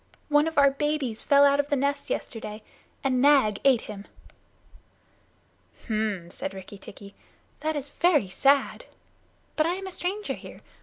"One of our babies fell out of the nest yesterday and Nag ate him." "H'm!" said Rikki tikki, "that is very sad but I am a stranger here.